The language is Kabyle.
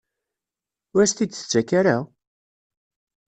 Ur as-t-id-tettak ara?